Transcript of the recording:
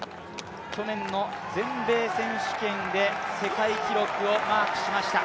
去年の全米選手権で世界記録をマークしました。